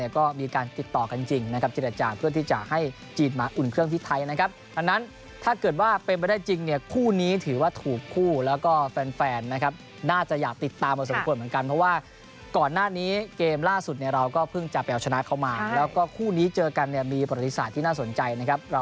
ก่อนหน้านี้เกมล่าสุดเราก็พึ่งจะเปล่าฉนะเข้ามา